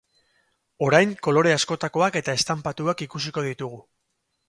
Orain, kolore askotakoak eta estanpatuak ikusiko ditugu.